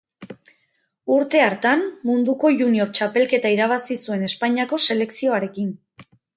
Urte hartan Munduko Junior Txapelketa irabazi zuen Espainiako selekzioarekin.